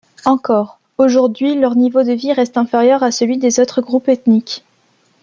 Encore, aujourd'hui leur niveau de vie reste inférieur à celui des autres groupes ethniques.